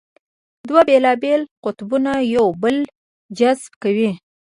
دوه بېلابېل قطبونه یو بل جذبه کوي.